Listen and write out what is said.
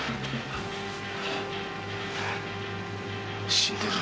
死んでる。